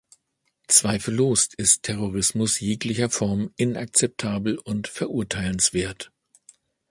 Zweifellos ist Terrorismus jeglicher Form inakzeptabel und verurteilenswert.